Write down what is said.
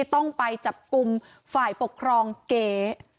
ต้องไปจับกลุ่มฝ่ายปกครองเก๋